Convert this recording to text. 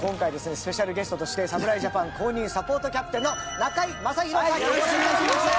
スペシャルゲストとして侍ジャパン公認サポートキャプテンの中居正広さんにお越しいただきました！